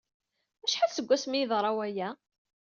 Acḥal seg wasmi i yeḍra waya?